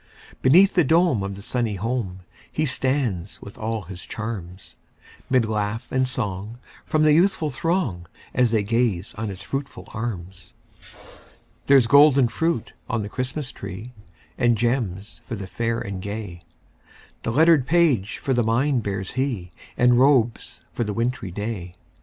Beneath the dome of the sunny home, He stands with all his charms; 'Mid laugh and song from the youthful throng, As they gaze on his fruitful arms. There's golden fruit on the Christmas tree, And gems for the fair and gay; The lettered page for the mind bears he, And robes for the wintry day.